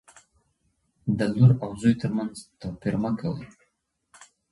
د لور او زوی ترمنځ توپیر مه کوئ.